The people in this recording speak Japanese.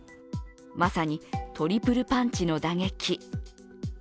まさにトリプルパンチの打撃。